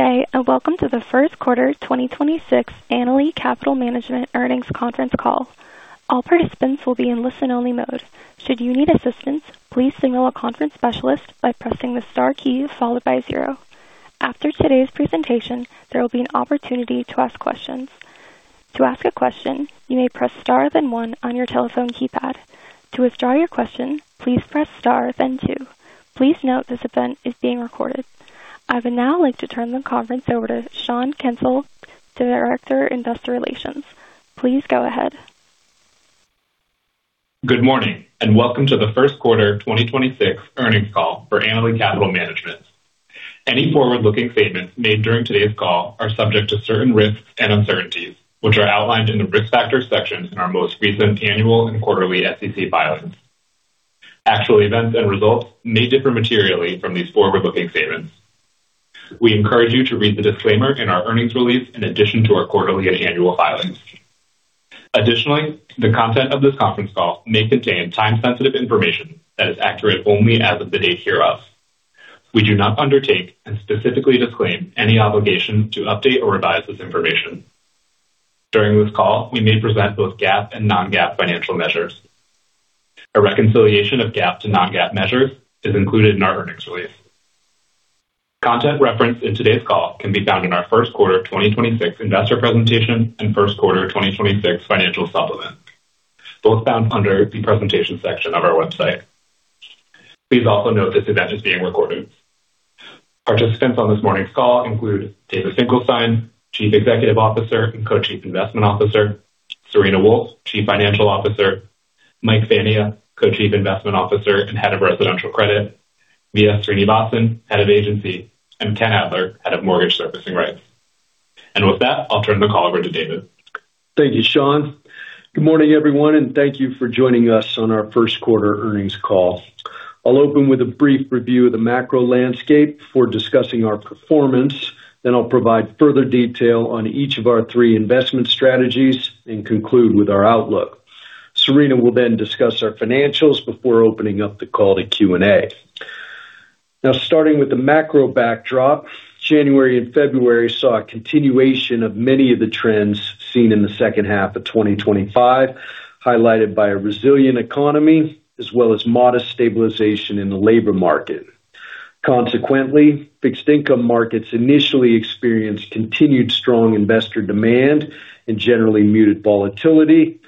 Good day, and welcome to the Q1 2026 Annaly Capital Management Earnings Conference Call. All participants will be in listen-only mode. Should you need assistance, please signal a conference specialist by pressing the star key followed by zeronene. After today's presentation, there will be an opportunity to ask questions. To ask a question, you may press star, then one on your telephone keypad. To withdraw your question, please press star, then two. Please note this event is being recorded. I would now like to turn the conference over to Sean Kensil, Director, Investor Relations. Please go ahead. Good morning, and welcome to the Q1 2026 earnings call for Annaly Capital Management. Any forward-looking statements made during today's call are subject to certain risks and uncertainties, which are outlined in the Risk Factors section in our most recent annual and quarterly SEC filings. Actual events and results may differ materially from these forward-looking statements. We encourage you to read the disclaimer in our earnings release in addition to our quarterly and annual filings. Additionally, the content of this conference call may contain time-sensitive information that is accurate only as of the date hereof. We do not undertake and specifically disclaim any obligation to update or revise this information. During this call, we may present both GAAP and non-GAAP financial measures. A reconciliation of GAAP to non-GAAP measures is included in our earnings release. Content referenced in today's call can be found in our Q1 2026 investor presentation and Q1 2026 financial supplement, both found under the Presentation section of our website. Please also note this event is being recorded. Participants on this morning's call include David Finkelstein, Chief Executive Officer and Co-Chief Investment Officer, Serena Wolfe, Chief Financial Officer, Mike Fania, Co-Chief Investment Officer and Head of Residential Credit, V.S. Srinivasan, Head of Agency, and Ken Adler, Head of Mortgage Servicing Rights. With that, I'll turn the call over to David. Thank you, Sean. Good morning, everyone, and thank you for joining us on our Q1 earnings call. I'll open with a brief review of the macro landscape before discussing our performance. I'll provide further detail on each of our three investment strategies and conclude with our outlook. Serena will then discuss our financials before opening up the call to Q&A. Starting with the macro backdrop, January and February saw a continuation of many of the trends seen in the second half of 2025, highlighted by a resilient economy as well as modest stabilization in the labor market. Consequently, fixed income markets initially experienced continued strong investor demand and generally muted volatility.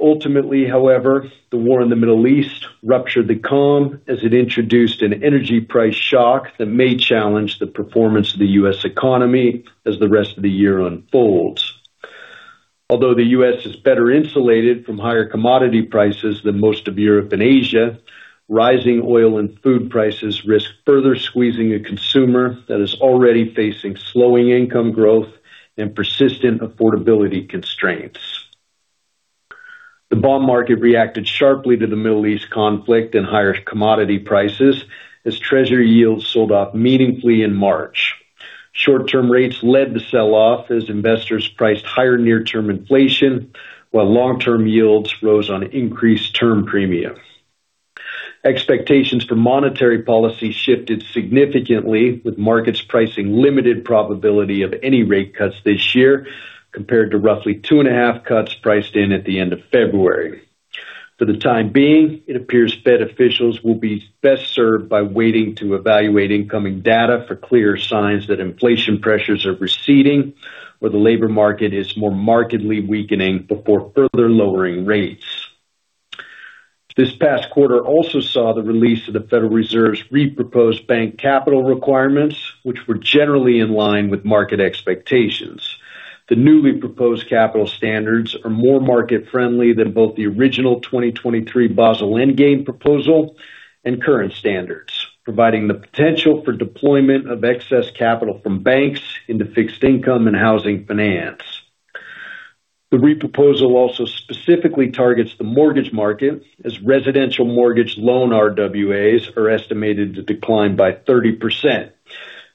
Ultimately, however, the war in the Middle East ruptured the calm as it introduced an energy price shock that may challenge the performance of the U.S. economy as the rest of the year unfolds. Although the U.S. is better insulated from higher commodity prices than most of Europe and Asia, rising oil and food prices risk further squeezing a consumer that is already facing slowing income growth and persistent affordability constraints. The bond market reacted sharply to the Middle East conflict and higher commodity prices as Treasury yields sold off meaningfully in March. Short-term rates led the sell-off as investors priced higher near-term inflation, while long-term yields rose on increased term premium. Expectations for monetary policy shifted significantly with markets pricing limited probability of any rate cuts this year, compared to roughly 2.5 cuts priced in at the end of February. For the time being, it appears Fed officials will be best served by waiting to evaluate incoming data for clear signs that inflation pressures are receding or the labor market is more markedly weakening before further lowering rates. This past quarter also saw the release of the Federal Reserve's re-proposed bank capital requirements, which were generally in line with market expectations. The newly proposed capital standards are more market-friendly than both the original 2023 Basel III Endgame proposal and current standards, providing the potential for deployment of excess capital from banks into fixed income and housing finance. The re-proposal also specifically targets the mortgage market as residential mortgage loan RWAs are estimated to decline by 30%.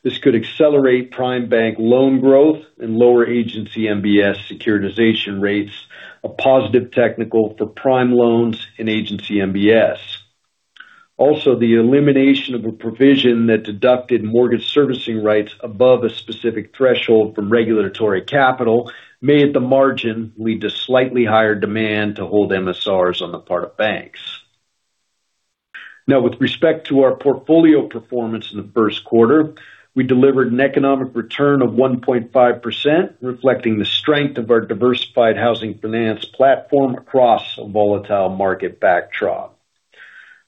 This could accelerate prime bank loan growth and lower Agency MBS securitization rates, a positive technical for prime loans and Agency MBS. Also, the elimination of a provision that deducted mortgage servicing rights above a specific threshold from regulatory capital may, at the margin, lead to slightly higher demand to hold MSRs on the part of banks. Now, with respect to our portfolio performance in the Q, we delivered an economic return of 1.5%, reflecting the strength of our diversified housing finance platform across a volatile market backdrop.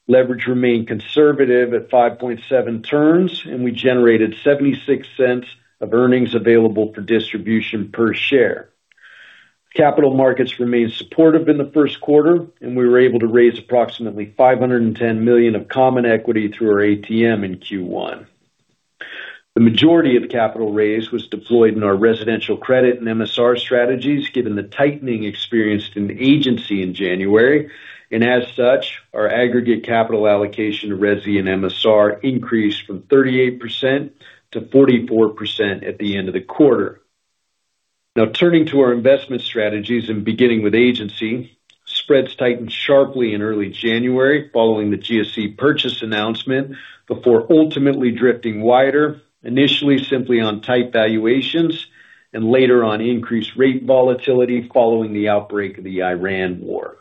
Leverage remained conservative at 5.7 turns, and we generated $0.76 of earnings available for distribution per share. Capital markets remained supportive in the Q1, and we were able to raise approximately $510 million of common equity through our ATM in Q1. The majority of the capital raise was deployed in our residential credit and MSR strategies, given the tightening experienced in the agency in January, and as such, our aggregate capital allocation to resi and MSR increased from 38%-44% at the end of the quarter. Now turning to our investment strategies and beginning with agency. Spreads tightened sharply in early January following the GSE purchase announcement, before ultimately drifting wider, initially simply on tight valuations and later on increased rate volatility following the outbreak of the Iran war.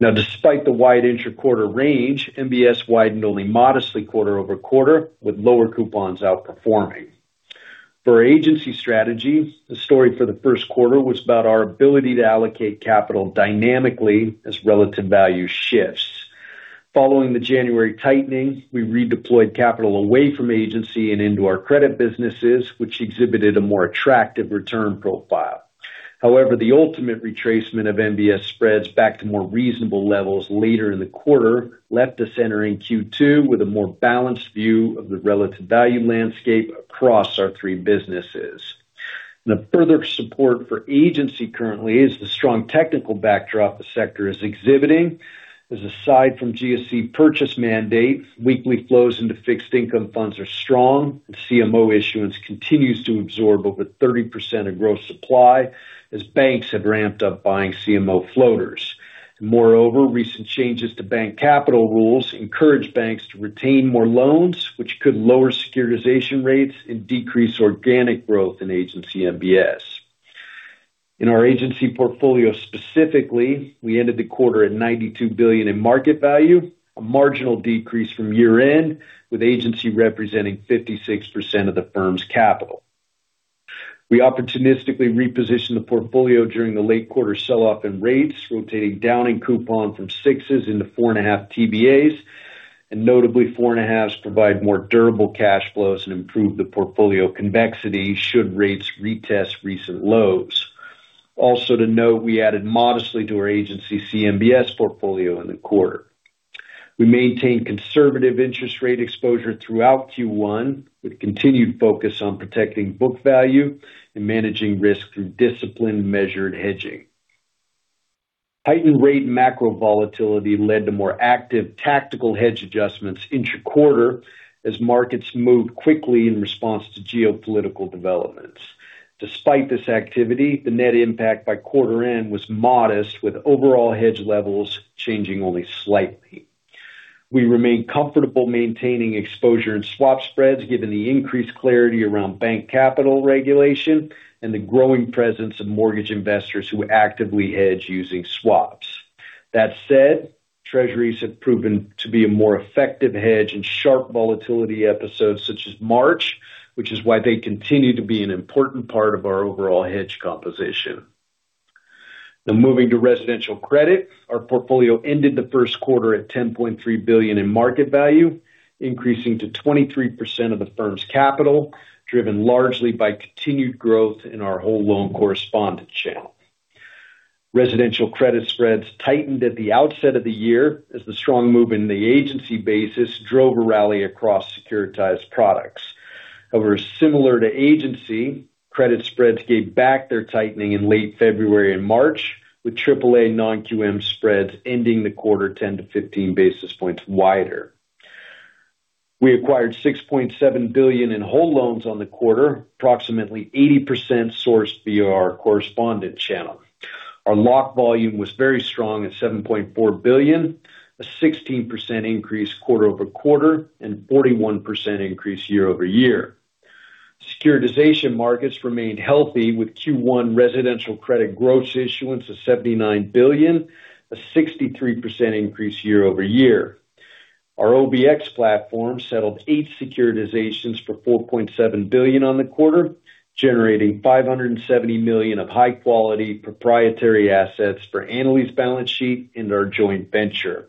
Now, despite the wide interquarter range, MBS widened only modestly quarter-over-quarter, with lower coupons outperforming. For our agency strategy, the story for the Q1 was about our ability to allocate capital dynamically as relative value shifts. Following the January tightening, we redeployed capital away from agency and into our credit businesses, which exhibited a more attractive return profile. However, the ultimate retracement of MBS spreads back to more reasonable levels later in the quarter left us entering Q2 with a more balanced view of the relative value landscape across our three businesses. The further support for Agency currently is the strong technical backdrop the sector is exhibiting, as aside from GSE purchase mandate, weekly flows into fixed income funds are strong, and CMO issuance continues to absorb over 30% of gross supply as banks have ramped up buying CMO floaters. Moreover, recent changes to bank capital rules encourage banks to retain more loans, which could lower securitization rates and decrease organic growth in Agency MBS. In our Agency portfolio specifically, we ended the quarter at $92 billion in market value, a marginal decrease from year-end, with Agency representing 56% of the firm's capital. We opportunistically repositioned the portfolio during the late-quarter sell-off in rates, rotating down in coupon from 6s into 4.5 TBAs, and notably, 4.5s provide more durable cash flows and improve the portfolio convexity should rates retest recent lows. Also to note, we added modestly to our agency CMBS portfolio in the quarter. We maintained conservative interest rate exposure throughout Q1 with continued focus on protecting book value and managing risk through disciplined, measured hedging. Heightened rate and macro volatility led to more active tactical hedge adjustments interquarter as markets moved quickly in response to geopolitical developments. Despite this activity, the net impact by quarter end was modest, with overall hedge levels changing only slightly. We remain comfortable maintaining exposure in swap spreads given the increased clarity around bank capital regulation and the growing presence of mortgage investors who actively hedge using swaps. That said, Treasuries have proven to be a more effective hedge in sharp volatility episodes such as March, which is why they continue to be an important part of our overall hedge composition. Now moving to residential credit. Our portfolio ended the Q1 at $10.3 billion in market value, increasing to 23% of the firm's capital, driven largely by continued growth in our whole loan correspondent channel. Residential credit spreads tightened at the outset of the year as the strong move in the agency basis drove a rally across securitized products. However, similar to agency, credit spreads gave back their tightening in late February and March with triple A non-QM spreads ending the quarter 10-15 basis points wider. We acquired $6.7 billion in whole loans on the quarter, approximately 80% sourced via our correspondent channel. Our lock volume was very strong at $7.4 billion, a 16% increase quarter-over-quarter and 41% increase year-over-year. Securitization markets remained healthy with Q1 residential credit gross issuance of $79 billion, a 63% increase year-over-year. Our OBX platform settled eight securitizations for $4.7 billion on the quarter, generating $570 million of high-quality proprietary assets for Annaly's balance sheet and our joint venture.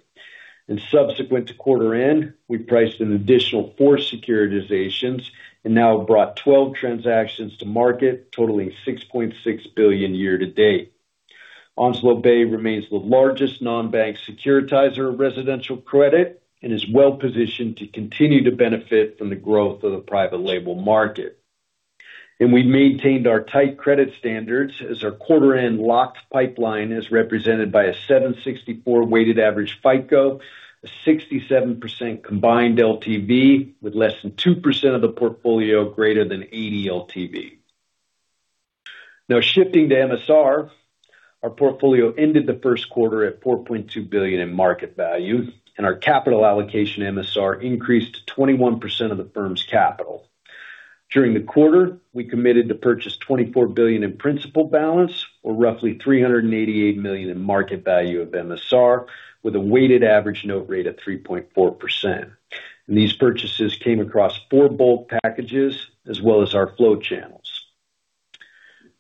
Subsequent to quarter end, we priced an additional four securitizations and now have brought 12 transactions to market, totaling $6.6 billion year to date. Onslow Bay remains the largest non-bank securitizer of residential credit and is well positioned to continue to benefit from the growth of the private label market. We've maintained our tight credit standards as our quarter-end locked pipeline is represented by a 764 weighted average FICO, a 67% combined LTV with less than 2% of the portfolio greater than 80% LTV. Now shifting to MSR. Our portfolio ended the Q1 at $4.2 billion in market value, and our capital allocation MSR increased to 21% of the firm's capital. During the quarter, we committed to purchase $24 billion in principal balance, or roughly $388 million in market value of MSR, with a weighted average note rate of 3.4%. These purchases came across four bulk packages as well as our flow channels.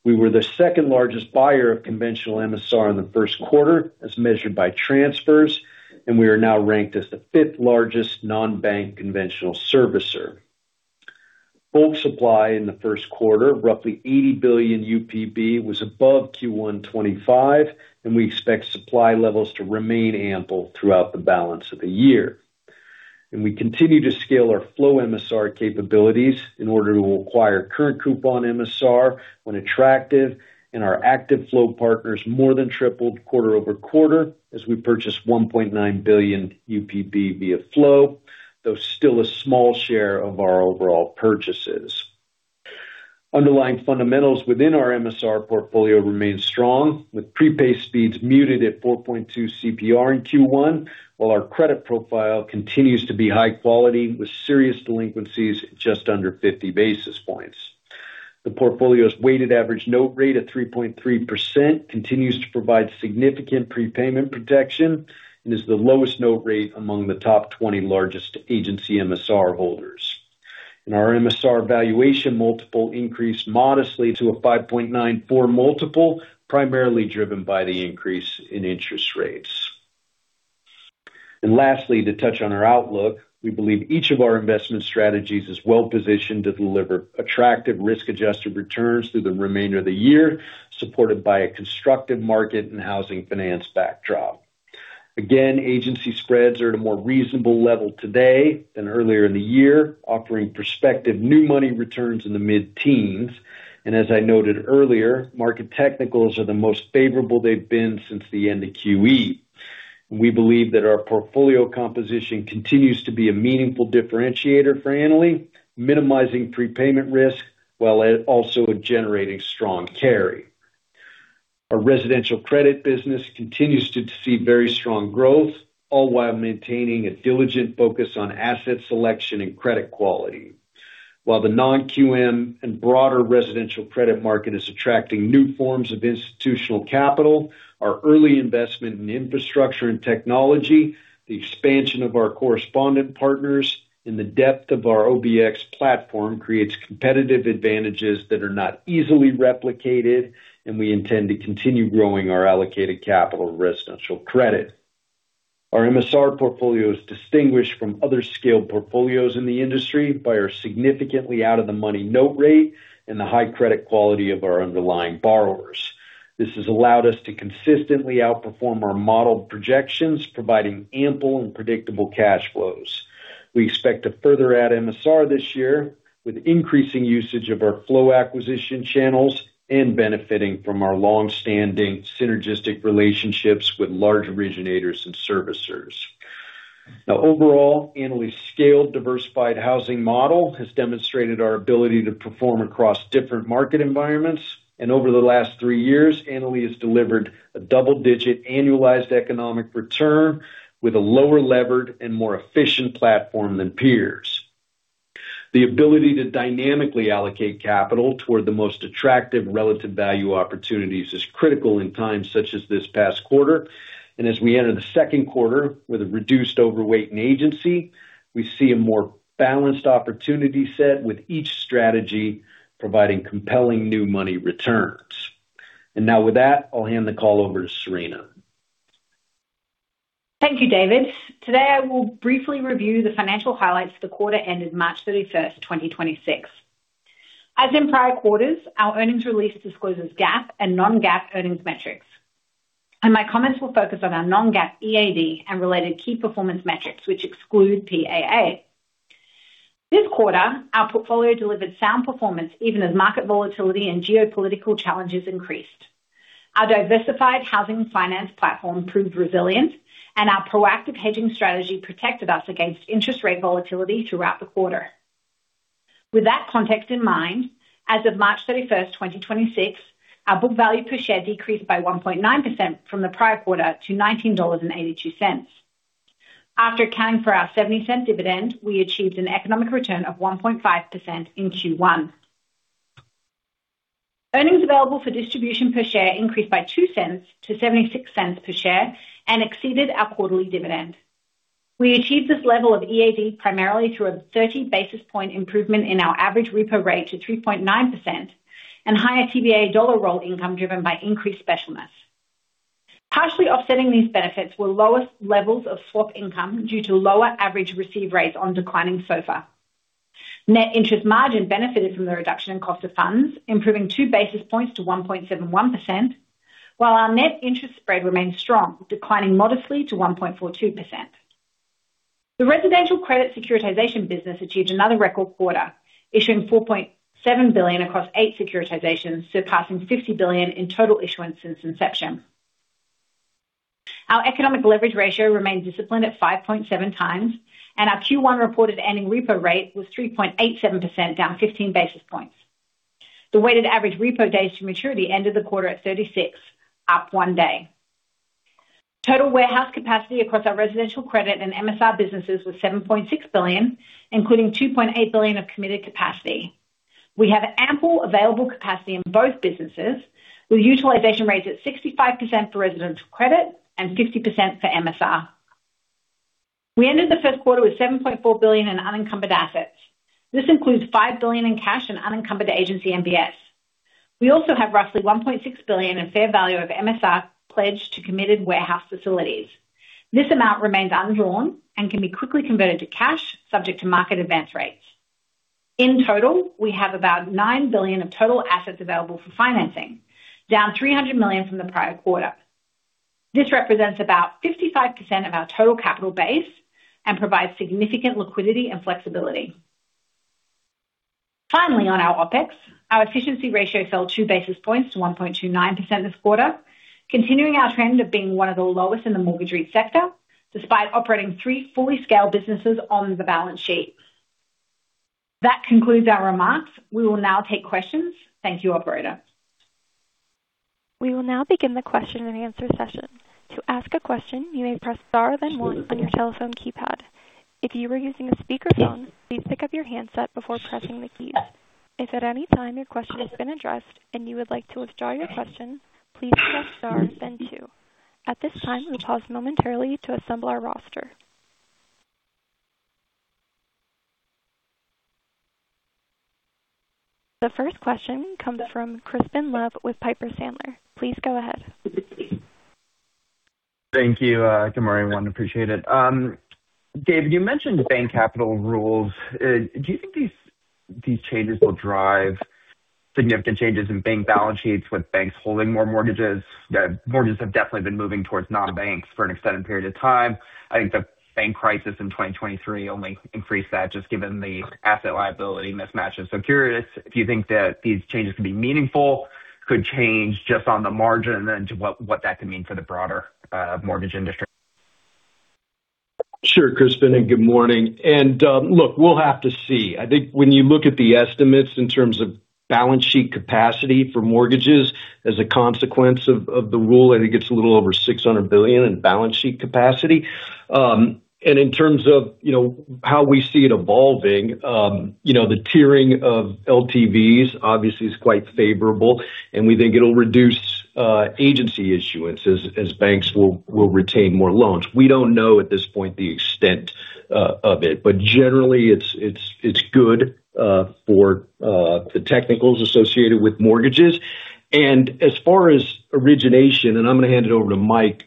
We were the second largest buyer of conventional MSR in the Q1 as measured by transfers, and we are now ranked as the fifth largest non-bank conventional servicer. Bulk supply in the Q1, roughly $80 billion UPB, was above Q1 2025, and we expect supply levels to remain ample throughout the balance of the year. We continue to scale our flow MSR capabilities in order to acquire current coupon MSR when attractive. Our active flow partners more than tripled quarter-over-quarter as we purchased $1.9 billion UPB via flow, though still a small share of our overall purchases. Underlying fundamentals within our MSR portfolio remain strong, with prepay speeds muted at 4.2 CPR in Q1, while our credit profile continues to be high quality, with serious delinquencies just under 50 basis points. The portfolio's weighted average note rate at 3.3% continues to provide significant prepayment protection and is the lowest note rate among the top 20 largest agency MSR holders. Our MSR valuation multiple increased modestly to a 5.94 multiple, primarily driven by the increase in interest rates. Lastly, to touch on our outlook, we believe each of our investment strategies is well-positioned to deliver attractive risk-adjusted returns through the remainder of the year, supported by a constructive market and housing finance backdrop. Agency spreads are at a more reasonable level today than earlier in the year, offering prospective new money returns in the mid-teens. As I noted earlier, market technicals are the most favorable they've been since the end of QE. We believe that our portfolio composition continues to be a meaningful differentiator for Annaly, minimizing prepayment risk while also generating strong carry. Our residential credit business continues to see very strong growth, all while maintaining a diligent focus on asset selection and credit quality. While the non-QM and broader residential credit market is attracting new forms of institutional capital, our early investment in infrastructure and technology, the expansion of our correspondent partners, and the depth of our OBX platform creates competitive advantages that are not easily replicated, and we intend to continue growing our allocated capital residential credit. Our MSR portfolio is distinguished from other scaled portfolios in the industry by our significantly out of the money note rate and the high credit quality of our underlying borrowers. This has allowed us to consistently outperform our modeled projections, providing ample and predictable cash flows. We expect to further add MSR this year, with increasing usage of our flow acquisition channels and benefiting from our longstanding synergistic relationships with large originators and servicers. Now overall, Annaly's scaled, diversified housing model has demonstrated our ability to perform across different market environments. Over the last three years, Annaly has delivered a double-digit annualized economic return with a lower levered and more efficient platform than peers. The ability to dynamically allocate capital toward the most attractive relative value opportunities is critical in times such as this past quarter. As we enter the Q2 with a reduced overweight in agency, we see a more balanced opportunity set with each strategy providing compelling new money returns. Now with that, I'll hand the call over to Serena. Thank you, David. Today, I will briefly review the financial highlights for the quarter ended March 31st, 2026. As in prior quarters, our earnings release discloses GAAP and non-GAAP earnings metrics. My comments will focus on our non-GAAP EAD and related key performance metrics, which exclude PAA. This quarter, our portfolio delivered sound performance even as market volatility and geopolitical challenges increased. Our diversified housing finance platform proved resilient, and our proactive hedging strategy protected us against interest rate volatility throughout the quarter. With that context in mind, as of March 31st, 2026, our book value per share decreased by 1.9% from the prior quarter to $19.82. After accounting for our $0.70 dividend, we achieved an economic return of 1.5% in Q1. Earnings available for distribution per share increased by $0.02 to $0.76 per share and exceeded our quarterly dividend. We achieved this level of EAD primarily through a 30 basis points improvement in our average repo rate to 3.9% and higher TBA dollar roll income driven by increased specialness. Partially offsetting these benefits were lower levels of swap income due to lower average receive rates on declining SOFR. Net interest margin benefited from the reduction in cost of funds, improving two basis points to 1.71%, while our net interest spread remained strong, declining modestly to 1.42%. The residential credit securitization business achieved another record quarter, issuing $4.7 billion across eight securitizations, surpassing $50 billion in total issuance since inception. Our economic leverage ratio remains disciplined at 5.7 times, and our Q1 reported ending repo rate was 3.87%, down 15 basis points. The weighted average repo days to maturity ended the quarter at 36, up one day. Total warehouse capacity across our Residential Credit and MSR businesses was $7.6 billion, including $2.8 billion of committed capacity. We have ample available capacity in both businesses, with utilization rates at 65% for Residential Credit and 60% for MSR. We ended the Q1 with $7.4 billion in unencumbered assets. This includes $5 billion in cash and unencumbered Agency MBS. We also have roughly $1.6 billion in fair value of MSR pledged to committed warehouse facilities. This amount remains undrawn and can be quickly converted to cash subject to market advance rates. In total, we have about $9 billion of total assets available for financing, down $300 million from the prior quarter. This represents about 55% of our total capital base and provides significant liquidity and flexibility. Finally, on our OpEx, our efficiency ratio fell two basis points to 1.29% this quarter, continuing our trend of being one of the lowest in the mortgage REIT sector, despite operating three fully scaled businesses on the balance sheet. That concludes our remarks. We will now take questions. Thank you, operator. We will now begin the question and answer session. To ask a question, you may press star then one on your telephone keypad. If you are using a speakerphone, please pick up your handset before pressing the key. If at any time your question has been addressed and you would like to withdraw your question, please press star then two. At this time, we pause momentarily to assemble our roster. The first question comes from Crispin Love with Piper Sandler. Please go ahead. Thank you. Good morning, everyone. Appreciate it. Dave, you mentioned bank capital rules. Do you think these changes will drive significant changes in bank balance sheets with banks holding more mortgages? Mortgages have definitely been moving towards non-banks for an extended period of time. I think the bank crisis in 2023 only increased that, just given the asset liability mismatches. I'm curious if you think that these changes could be meaningful, could change just on the margin, and what that could mean for the broader mortgage industry. Sure, Crispin, and good morning. Look, we'll have to see. I think when you look at the estimates in terms of balance sheet capacity for mortgages as a consequence of the rule, I think it's a little over $600 billion in balance sheet capacity. In terms of how we see it evolving, the tiering of LTVs obviously is quite favorable, and we think it'll reduce agency issuance as banks will retain more loans. We don't know at this point the extent of it. Generally it's good for the technicals associated with mortgages. As far as origination, and I'm going to hand it over to Mike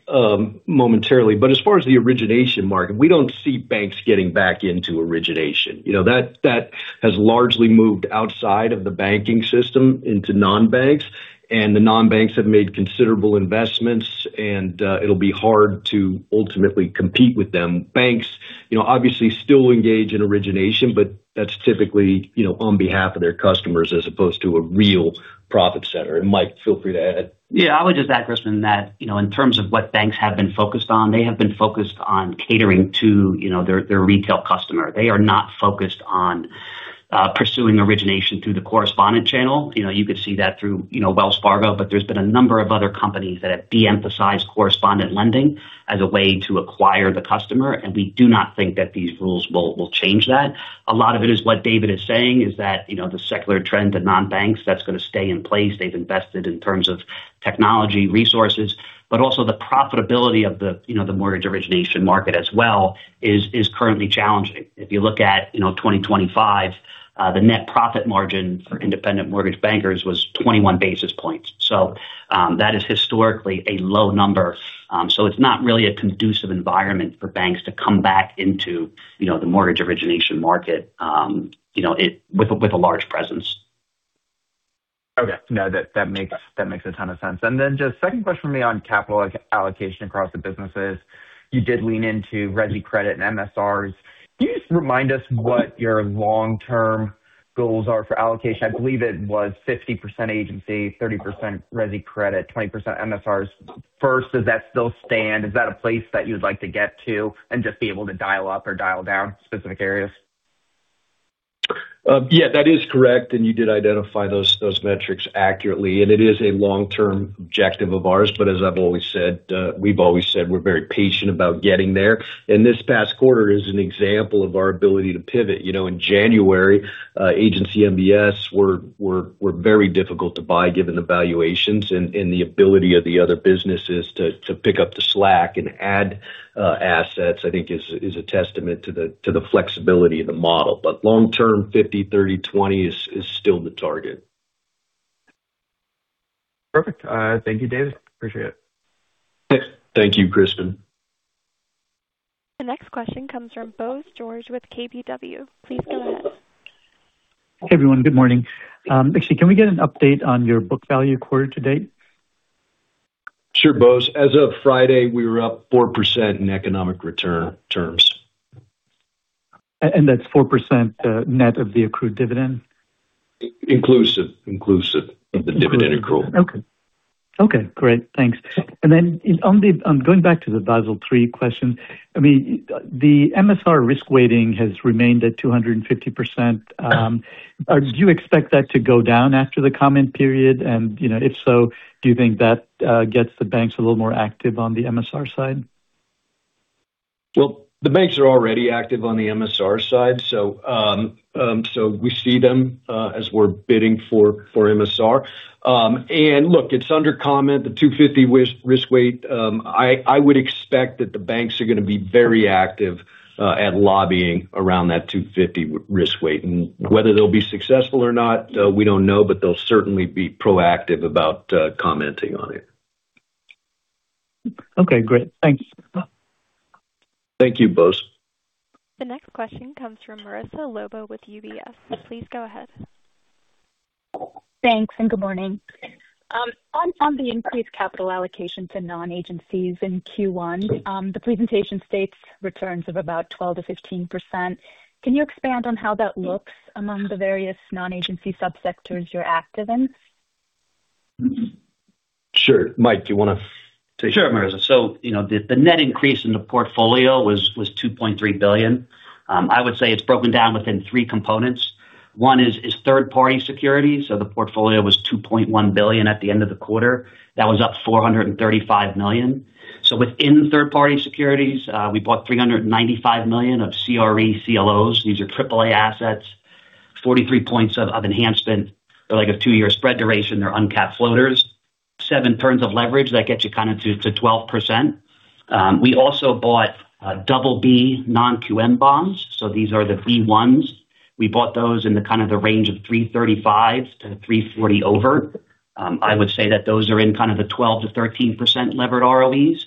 momentarily, but as far as the origination market, we don't see banks getting back into origination. That has largely moved outside of the banking system into non-banks, and the non-banks have made considerable investments, and it'll be hard to ultimately compete with them. Banks obviously still engage in origination, but that's typically on behalf of their customers as opposed to a real profit center. Mike, feel free to add. Yeah, I would just add, Crispin, that in terms of what banks have been focused on, they have been focused on catering to their retail customer. They are not focused on pursuing origination through the correspondent channel. You could see that through Wells Fargo, but there's been a number of other companies that have de-emphasized correspondent lending as a way to acquire the customer, and we do not think that these rules will change that. A lot of it is what David is saying is that the secular trend of non-banks, that's going to stay in place. They've invested in terms of technology resources. But also the profitability of the mortgage origination market as well is currently challenging. If you look at 2025, the net profit margin for independent mortgage bankers was 21 basis points. That is historically a low number. It's not really a conducive environment for banks to come back into the mortgage origination market with a large presence. Okay. No, that makes a ton of sense. Just second question for me on capital allocation across the businesses. You did lean into resi credit and MSRs. Can you just remind us what your long-term goals are for allocation? I believe it was 50% agency, 30% resi credit, 20% MSRs. First, does that still stand? Is that a place that you'd like to get to and just be able to dial up or dial down specific areas? Yeah, that is correct. You did identify those metrics accurately. It is a long-term objective of ours. As I've always said, we've always said we're very patient about getting there. This past quarter is an example of our ability to pivot. In January, Agency MBS were very difficult to buy given the valuations and the ability of the other businesses to pick up the slack and add assets, I think, is a testament to the flexibility of the model. Long-term, 50, 30, 20 is still the target. Perfect. Thank you, David. Appreciate it. Thank you, Crispin. The next question comes from Bose George with KBW. Please go ahead. Hey, everyone. Good morning. Actually, can we get an update on your book value quarter to date? Sure, Bose. As of Friday, we were up 4% in economic return terms. That's 4% net of the accrued dividend? Inclusive of the dividend accrual. Okay. Great. Thanks. Going back to the Basel III question, the MSR risk weighting has remained at 250%. Do you expect that to go down after the comment period? If so, do you think that gets the banks a little more active on the MSR side? Well, the banks are already active on the MSR side, so we see them as we're bidding for MSR. Look, it's under comment, the 250 risk weight. I would expect that the banks are going to be very active at lobbying around that 250 risk weight. Whether they'll be successful or not, we don't know, but they'll certainly be proactive about commenting on it. Okay, great. Thanks. Thank you, Bose. The next question comes from Marissa Lobo with UBS. Please go ahead. Thanks and good morning. On the increased capital allocation to non-agencies in Q1, the presentation states returns of about 12%-15%. Can you expand on how that looks among the various non-agency sub-sectors you're active in? Sure. Mike, do you want to take that? Sure, Marissa. The net increase in the portfolio was $2.3 billion. I would say it's broken down within three components. One is third-party securities. The portfolio was $2.1 billion at the end of the quarter. That was up $435 million. Within third-party securities, we bought $395 million of CRE CLOs. These are AAA assets. 43 points of enhancement. They're like a two-year spread duration. They're uncapped floaters. seven turns of leverage, that gets you kind of to 12%. We also bought BB non-QM bonds. These are the B1s. We bought those in the kind of the range of 335-340 over. I would say that those are in kind of the 12%-13% levered ROEs.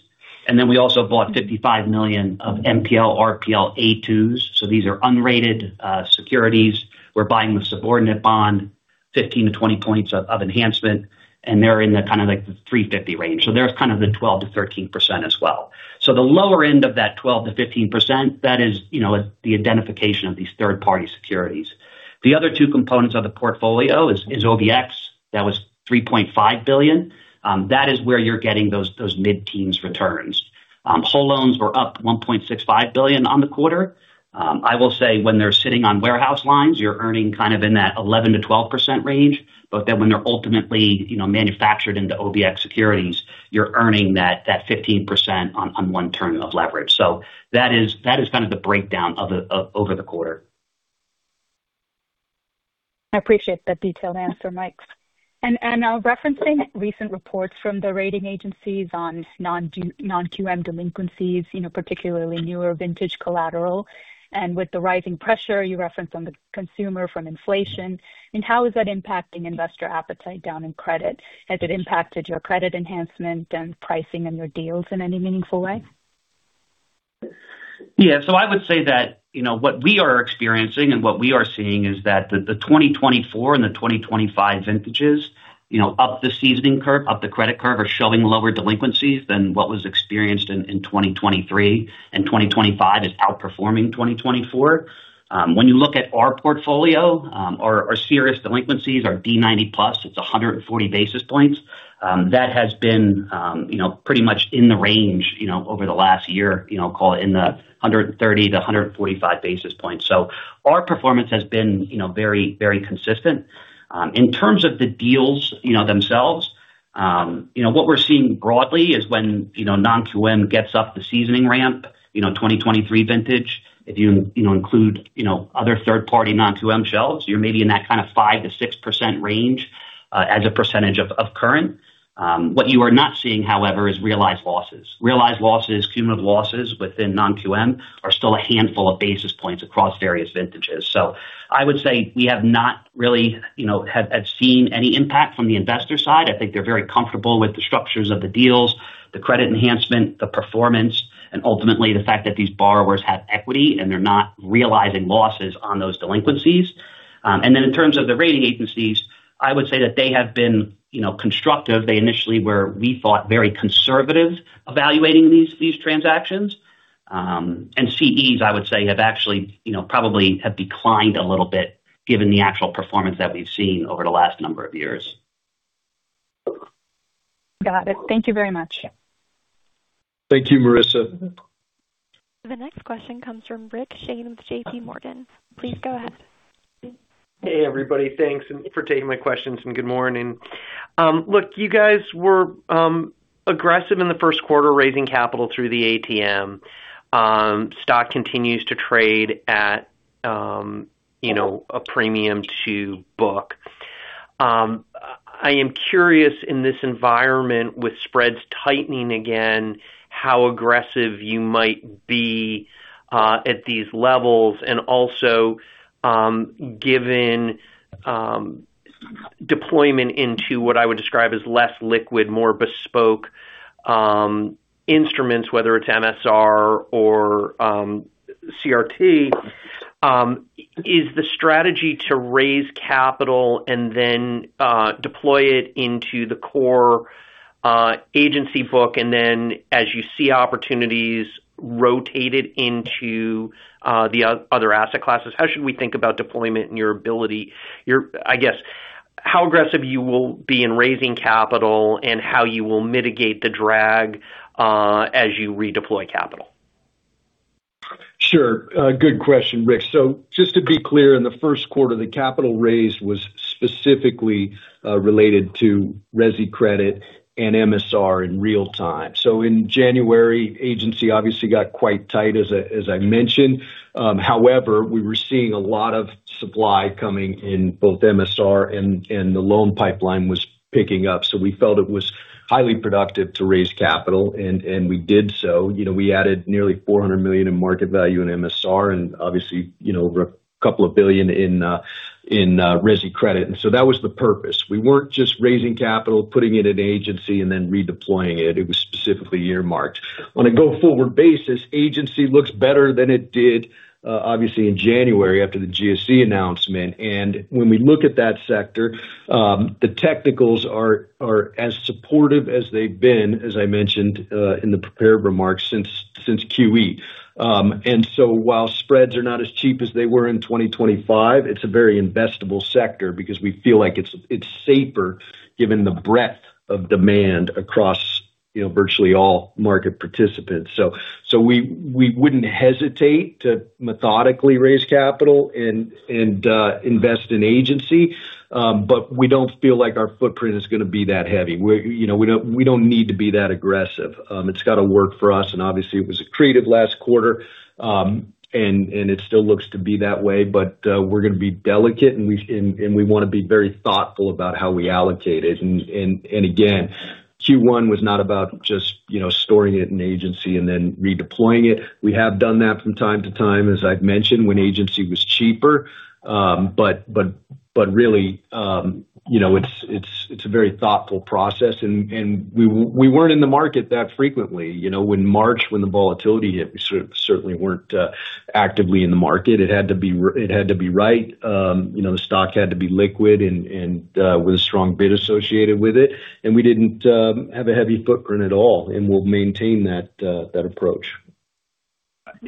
We also bought $55 million of MPL/RPL A2s. These are unrated securities. We're buying the subordinate bond 15-20 points of enhancement, and they're in the kind of like the 350 range. There's kind of the 12%-13% as well. The lower end of that 12%-15%, that is the identification of these third-party securities. The other two components of the portfolio is OBX. That was $3.5 billion. That is where you're getting those mid-teens returns. Whole loans were up $1.65 billion on the quarter. I will say when they're sitting on warehouse lines, you're earning kind of in that 11%-12% range. But then when they're ultimately manufactured into OBX securities, you're earning that 15% on one turn of leverage. That is kind of the breakdown over the quarter. I appreciate that detailed answer, Mike, referencing recent reports from the rating agencies on non-QM delinquencies, particularly newer vintage collateral, with the rising pressure you referenced on the consumer from inflation. How is that impacting investor appetite down in credit? Has it impacted your credit enhancement and pricing and your deals in any meaningful way? Yeah. I would say that what we are experiencing and what we are seeing is that the 2024 and the 2025 vintages up the seasoning curve, up the credit curve, are showing lower delinquencies than what was experienced in 2023, and 2025 is outperforming 2024. When you look at our portfolio, our serious delinquencies, our D90 plus, it's 140 basis points. That has been pretty much in the range over the last year, call it in the 130-145 basis points. Our performance has been very consistent. In terms of the deals themselves, what we're seeing broadly is when non-QM gets up the seasoning ramp, 2023 vintage, if you include other third-party non-QM shelves, you're maybe in that kind of 5%-6% range as a percentage of current. What you are not seeing, however, is realized losses. Realized losses, cumulative losses within non-QM are still a handful of basis points across various vintages. I would say we have not really seen any impact from the investor side. I think they're very comfortable with the structures of the deals, the credit enhancement, the performance, and ultimately the fact that these borrowers have equity and they're not realizing losses on those delinquencies. In terms of the rating agencies, I would say that they have been constructive. They initially were, we thought, very conservative evaluating these transactions. CEs, I would say, have actually probably declined a little bit given the actual performance that we've seen over the last number of years. Got it. Thank you very much. Thank you, Marissa. The next question comes from Rick Shane with JP Morgan. Please go ahead. Hey, everybody. Thanks for taking my questions, and good morning. Look, you guys were aggressive in the Q1, raising capital through the ATM. Stock continues to trade at a premium to book. I am curious in this environment with spreads tightening again, how aggressive you might be at these levels and also given deployment into what I would describe as less liquid, more bespoke instruments, whether it's MSR or CRT. Is the strategy to raise capital and then deploy it into the core agency book, and then as you see opportunities rotated into the other asset classes. How should we think about deployment and your ability, I guess how aggressive you will be in raising capital and how you will mitigate the drag as you redeploy capital? Sure. Good question, Rick. Just to be clear, in the Q1, the capital raise was specifically related to resi credit and MSR in real time. In January, agency obviously got quite tight as I mentioned. However, we were seeing a lot of supply coming in, both MSR and the loan pipeline was picking up. We felt it was highly productive to raise capital, and we did so. We added nearly $400 million in market value in MSR and obviously over $2 billion in resi credit. That was the purpose. We weren't just raising capital, putting it in agency and then redeploying it. It was specifically earmarked. On a go-forward basis, agency looks better than it did obviously in January after the GSE announcement. When we look at that sector, the technicals are as supportive as they've been, as I mentioned in the prepared remarks, since QE. While spreads are not as cheap as they were in 2025, it's a very investable sector because we feel like it's safer given the breadth of demand across virtually all market participants. We wouldn't hesitate to methodically raise capital and invest in agency. We don't feel like our footprint is going to be that heavy. We don't need to be that aggressive. It's got to work for us, and obviously it was accretive last quarter. It still looks to be that way. We're going to be delicate, and we want to be very thoughtful about how we allocate it. Again, Q1 was not about just storing it in agency and then redeploying it. We have done that from time to time, as I've mentioned, when agency was cheaper. Really it's a very thoughtful process, and we weren't in the market that frequently. When March, when the volatility hit, we certainly weren't actively in the market. It had to be right. The stock had to be liquid and with a strong bid associated with it. We didn't have a heavy footprint at all, and we'll maintain that approach.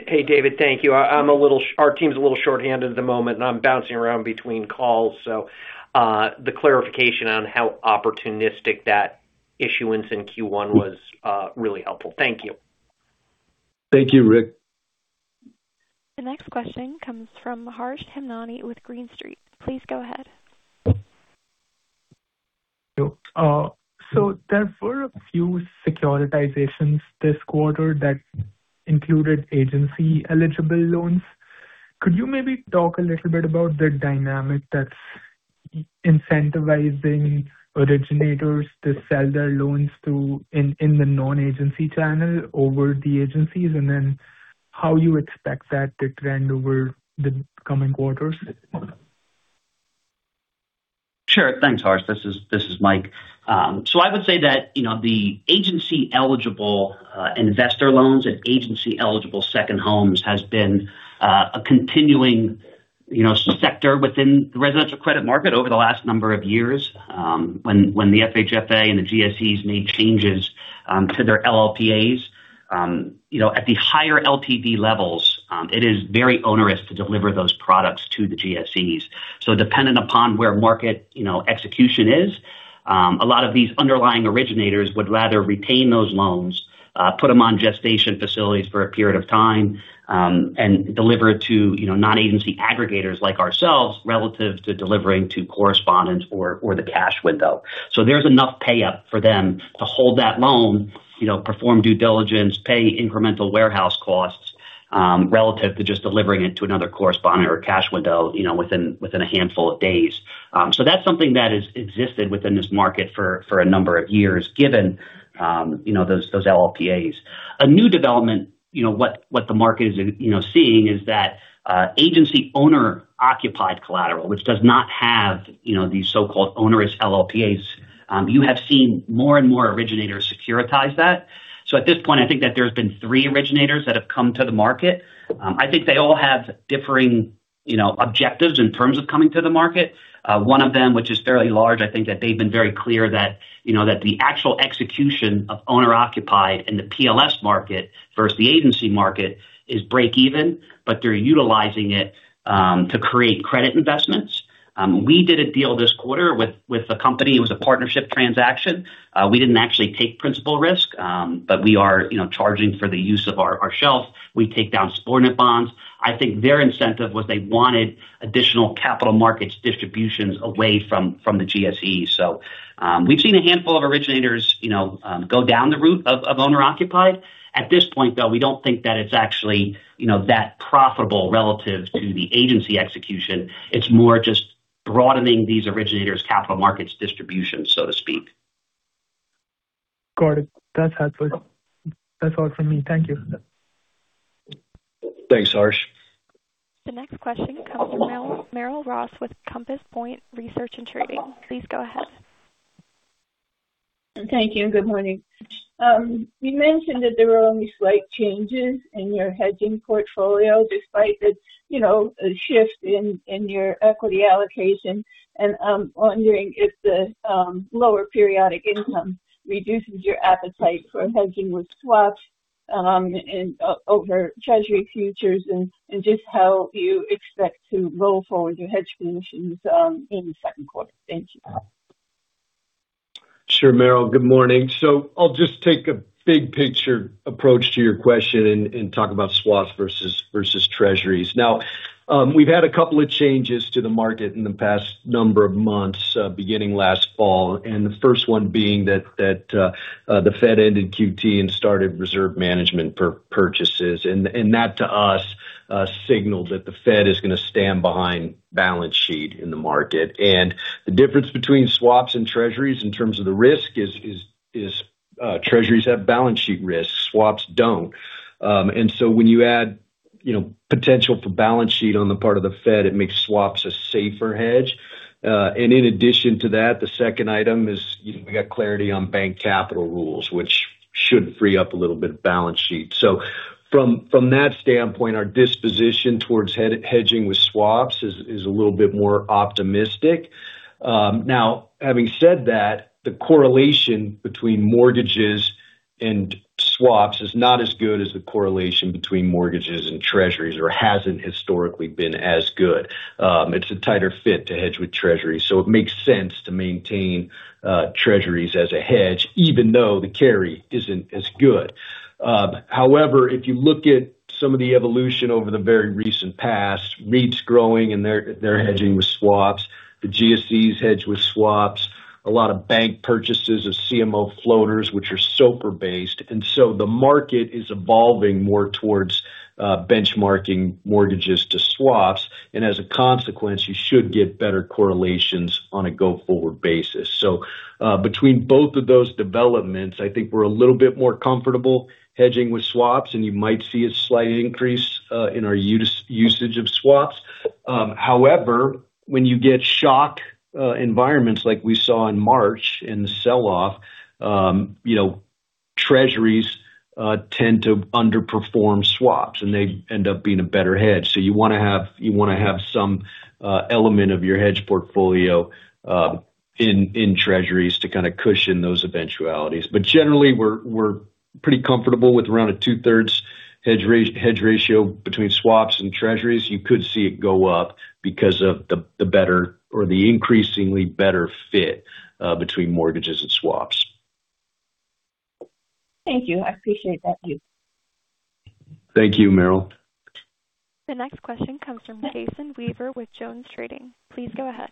Hey, David. Thank you. Our team's a little short-handed at the moment, and I'm bouncing around between calls, so the clarification on how opportunistic that issuance in Q1 was really helpful. Thank you. Thank you, Rick. The next question comes from Harsh Hemnani with Green Street. Please go ahead. There were a few securitizations this quarter that included agency-eligible loans. Could you maybe talk a little bit about the dynamic that's incentivizing originators to sell their loans in the non-agency channel over the agencies, and then how you expect that to trend over the coming quarters? Sure. Thanks, Harsh. This is Mike. I would say that the agency-eligible investor loans and agency-eligible second homes has been a continuing sector within the residential credit market over the last number of years, when the FHFA and the GSEs made changes to their LLPAs at the higher LTV levels. It is very onerous to deliver those products to the GSEs. Dependent upon where market execution is, a lot of these underlying originators would rather retain those loans, put them on gestation facilities for a period of time, and deliver it to non-agency aggregators like ourselves relative to delivering to correspondents or the cash window. There's enough pay-up for them to hold that loan, perform due diligence, pay incremental warehouse costs, relative to just delivering it to another correspondent or cash window within a handful of days. That's something that has existed within this market for a number of years, given those LLPAs. A new development, what the market is seeing, is that agency owner-occupied collateral, which does not have these so-called onerous LLPAs. You have seen more and more originators securitize that. At this point, I think that there's been three originators that have come to the market. I think they all have differing objectives in terms of coming to the market. One of them, which is fairly large, I think that they've been very clear that the actual execution of owner-occupied in the PLS market versus the agency market is break even. But they're utilizing it to create credit investments. We did a deal this quarter with a company. It was a partnership transaction. We didn't actually take principal risk. We are charging for the use of our shelf. We take down subordinate bonds. I think their incentive was they wanted additional capital markets distributions away from the GSEs. We've seen a handful of originators go down the route of owner-occupied. At this point, though, we don't think that it's actually that profitable relative to the agency execution. It's more just broadening these originators' capital markets distribution, so to speak. Got it. That's helpful. That's all for me. Thank you. Thanks, Harsh. The next question comes from Merrill Ross with Compass Point Research & Trading. Please go ahead. Thank you. Good morning. You mentioned that there were only slight changes in your hedging portfolio despite the shift in your equity allocation. I'm wondering if the lower periodic income reduces your appetite for hedging with swaps over Treasury futures, and just how you expect to roll forward your hedge positions in the Q2. Thank you. Sure, Merrill, good morning. I'll just take a big-picture approach to your question and talk about swaps versus Treasuries. Now, we've had a couple of changes to the market in the past number of months, beginning last fall, and the first one being that the Fed ended QT and started reserve management for purchases. That to us signaled that the Fed is going to stand behind balance sheet in the market. The difference between swaps and Treasuries in terms of the risk is Treasuries have balance sheet risks, swaps don't. When you add potential for balance sheet on the part of the Fed, it makes swaps a safer hedge. In addition to that, the second item is we got clarity on bank capital rules, which should free up a little bit of balance sheet. From that standpoint, our disposition towards hedging with swaps is a little bit more optimistic. Now, having said that, the correlation between mortgages and swaps is not as good as the correlation between mortgages and Treasuries, or hasn't historically been as good. It's a tighter fit to hedge with Treasuries, so it makes sense to maintain Treasuries as a hedge, even though the carry isn't as good. However, if you look at some of the evolution over the very recent past, REITs growing and they're hedging with swaps, the GSEs hedge with swaps, a lot of bank purchases of CMO floaters, which are SOFR-based. The market is evolving more towards benchmarking mortgages to swaps, and as a consequence, you should get better correlations on a go-forward basis. Between both of those developments, I think we're a little bit more comfortable hedging with swaps, and you might see a slight increase in our usage of swaps. However, when you get shock environments like we saw in March in the sell-off, Treasuries tend to underperform swaps, and they end up being a better hedge. You want to have some element of your hedge portfolio in Treasuries to kind of cushion those eventualities. But generally, we're pretty comfortable with around a two-thirds hedge ratio between swaps and Treasuries. You could see it go up because of the better or the increasingly better fit between mortgages and swaps. Thank you. I appreciate that view. Tank you, Merrill. The next question comes from Jason Weaver with Jones Trading. Please go ahead.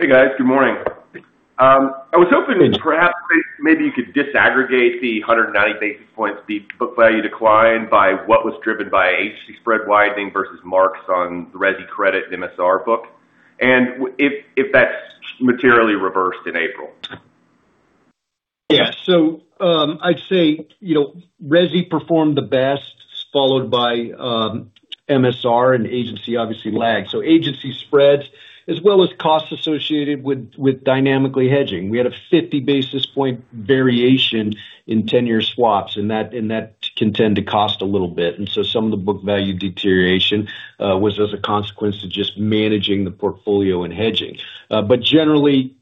Hey, guys. Good morning. I was hoping perhaps maybe you could disaggregate the 190 basis points, the book value decline by what was driven by Agency spread widening versus marks on resi credit MSR book. If that's materially reversed in April. Yeah. I'd say resi performed the best, followed by MSR and agency obviously lagged. Agency spreads as well as costs associated with dynamically hedging. We had a 50 basis point variation in ten-year swaps and that can tend to cost a little bit. Some of the book value deterioration was as a consequence to just managing the portfolio and hedging. Generally,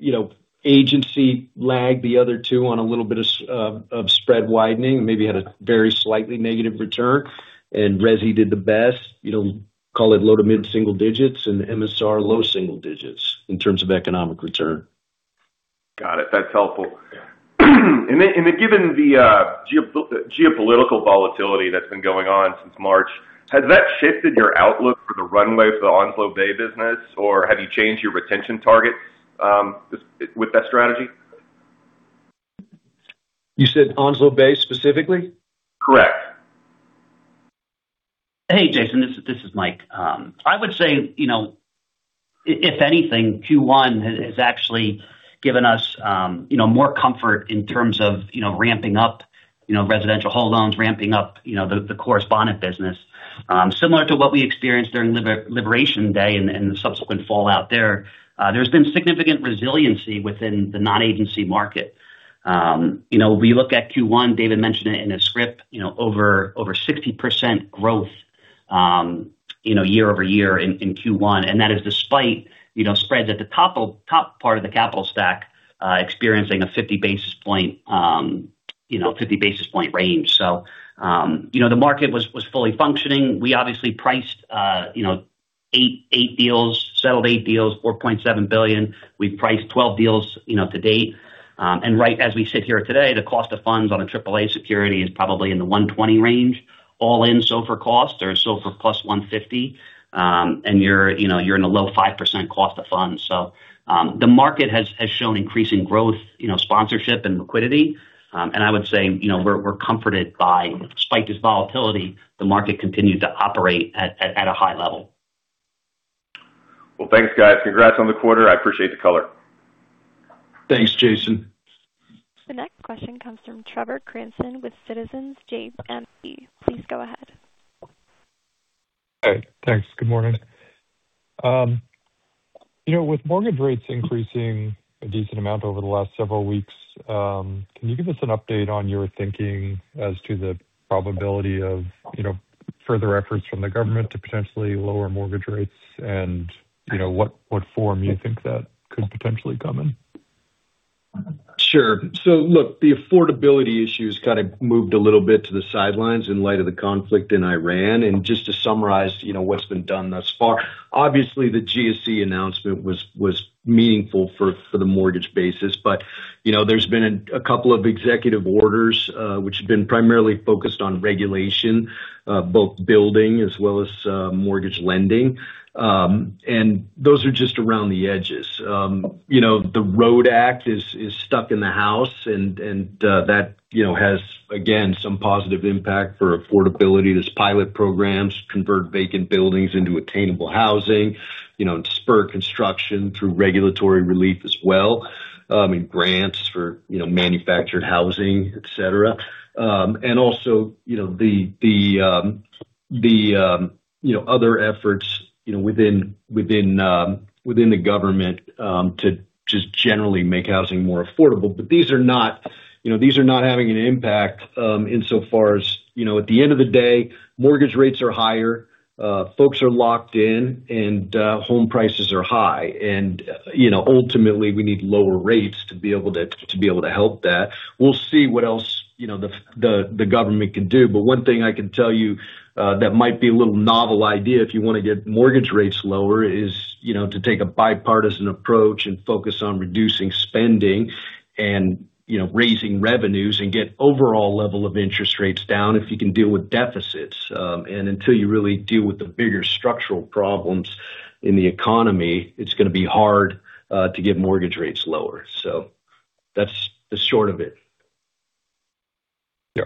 agency lagged the other two on a little bit of spread widening and maybe had a very slightly negative return. Resi did the best, call it low to mid-single digits, and MSR low single digits in terms of economic return. Got it. That's helpful. Given the geopolitical volatility that's been going on since March, has that shifted your outlook for the runway for the Onslow Bay business, or have you changed your retention targets with that strategy? You said Onslow Bay specifically? Correct. Hey, Jason. This is Mike. I would say, if anything, Q1 has actually given us more comfort in terms of ramping up residential whole loans, ramping up the correspondent business. Similar to what we experienced during Liberation Day and the subsequent fallout there's been significant resiliency within the non-agency market. If we look at Q1, David mentioned it in his script, over 60% growth year-over-year in Q1, and that is despite spreads at the top part of the capital stack experiencing a 50 basis point range. The market was fully functioning. We obviously priced eight deals, settled eight deals, $4.7 billion. We've priced 12 deals to date. Right as we sit here today, the cost of funds on a triple A security is probably in the 120 range, all in SOFR cost or SOFR plus 150. You're in the low 5% cost of funds. The market has shown increasing growth, sponsorship, and liquidity. I would say we're comforted by despite this volatility, the market continued to operate at a high level. Well, thanks, guys. Congrats on the quarter. I appreciate the color. Thanks, Jason. The next question comes from Trevor Cranston with Citizens JMP. Please go ahead. Hey, thanks. Good morning. With mortgage rates increasing a decent amount over the last several weeks, can you give us an update on your thinking as to the probability of further efforts from the government to potentially lower mortgage rates? What form you think that could potentially come in? Sure. Look, the affordability issue's kind of moved a little bit to the sidelines in light of the conflict in Iran. Just to summarize what's been done thus far, obviously the GSE announcement was meaningful for the mortgage basis. There's been a couple of executive orders which have been primarily focused on regulation, both building as well as mortgage lending. Those are just around the edges. The ROAD Act is stuck in the House, and that has, again, some positive impact for affordability. There's pilot programs, convert vacant buildings into attainable housing, and spur construction through regulatory relief as well, and grants for manufactured housing, et cetera. Also the other efforts within the government to just generally make housing more affordable. These are not having an impact insofar as at the end of the day, mortgage rates are higher, folks are locked in, and home prices are high. Ultimately we need lower rates to be able to help that. We'll see what else the government can do. One thing I can tell you that might be a little novel idea if you want to get mortgage rates lower is to take a bipartisan approach and focus on reducing spending and raising revenues and get overall level of interest rates down if you can deal with deficits. Until you really deal with the bigger structural problems in the economy, it's going to be hard to get mortgage rates lower. That's the short of it. Yeah.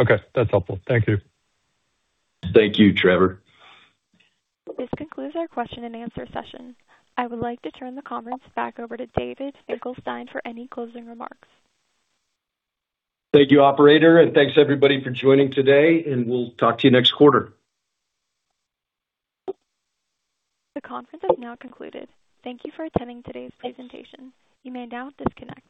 Okay, that's helpful. Thank you. Thank you, Trevor. This concludes our question and answer session. I would like to turn the conference back over to David Finkelstein for any closing remarks. Thank you, operator, and thanks everybody for joining today, and we'll talk to you next quarter. The conference has now concluded. Thank you for attending today's presentation. You may now disconnect.